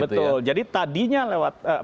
betul jadi tadinya lewat